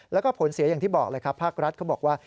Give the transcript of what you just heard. แล้วก็ผลเสียอย่างที่บอกเลยครับภาครัฐเขาบอกว่า